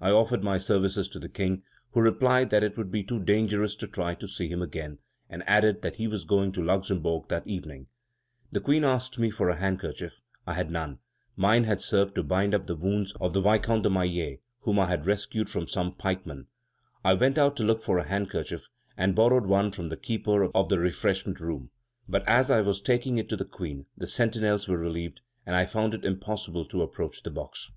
I offered my services to the King, who replied that it would be too dangerous to try to see him again, and added that he was going to the Luxembourg that evening. The Queen asked me for a handkerchief; I had none; mine had served to bind up the wounds of the Viscount de Maillé, whom I had rescued from some pikemen. I went out to look for a handkerchief, and borrowed one from the keeper of the refreshment room; but as I was taking it to the Queen, the sentinels were relieved, and I found it impossible to approach the box."